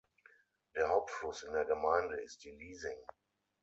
Der Hauptfluss in der Gemeinde ist die Liesing.